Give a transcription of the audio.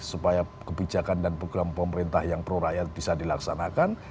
supaya kebijakan dan program pemerintah yang proraya bisa dilaksanakan